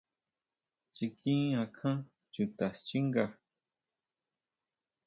Chiquín akján chuta xchínga.